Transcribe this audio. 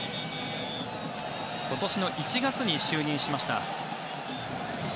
今年の１月に就任しました。